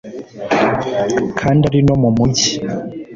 kandi ari no mu mujyi